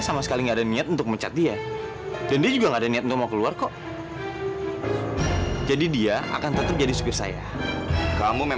sampai jumpa di video selanjutnya